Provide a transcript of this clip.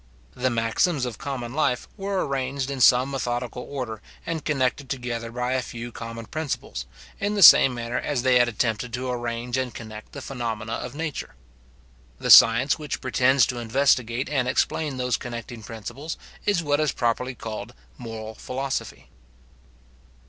The maxims of common life were arranged in some methodical order, and connected together by a few common principles, in the same manner as they had attempted to arrange and connect the phenomena of nature. The science which pretends to investigate and explain those connecting principles, is what is properly called Moral Philosophy.